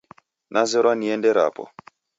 Nazerwa niende rapo